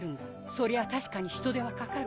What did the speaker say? そりゃ確かに人手はかかる。